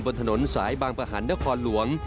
บนถนนสายบางประหันนครหลวง